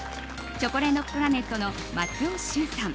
チョコレートプラネットの松尾駿さん